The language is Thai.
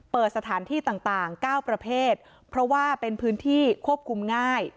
เปิดสถานที่ต่าง๙ประเภทเพราะว่าเป็นพื้นที่ควบคุมง่าย